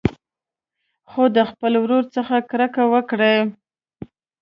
خو د خپل ورور څخه کرکه وکړي.